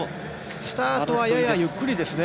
スタートはややゆっくりですね。